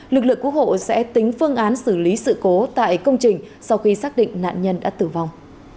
lực lượng cứu hộ sẽ tính phương án xử lý sự cố tại công trình sau khi xác định nạn nhân đã tử vong